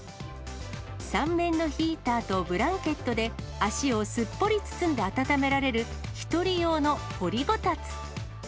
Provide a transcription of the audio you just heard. ３面のヒーターとブランケットで足をすっぽり包んで温められる、一人用の掘りごたつ。